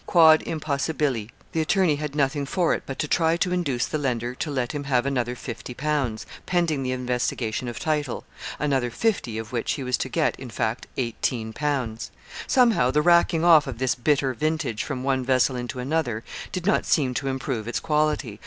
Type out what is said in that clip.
Quod impossibile. The attorney had nothing for it but to try to induce the lender to let him have another fifty pounds, pending the investigation of title another fifty, of which he was to get, in fact, eighteen pounds. Somehow, the racking off of this bitter vintage from one vessel into another did not seem to improve its quality.